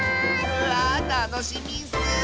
わあたのしみッス！